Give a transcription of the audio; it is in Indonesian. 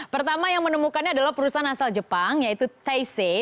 pertama yang menemukannya adalah perusahaan asal jepang yaitu taise